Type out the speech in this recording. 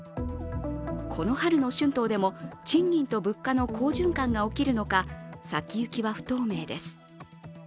この春の春闘でも賃金と物価の好循環が起きるのか先行きは不透明です。